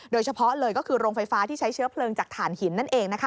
โดยเฉพาะเลยก็คือโรงไฟฟ้าที่ใช้เชื้อเพลิงจากฐานหินนั่นเองนะคะ